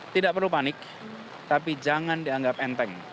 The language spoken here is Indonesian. tidak perlu panik tapi jangan dianggap enteng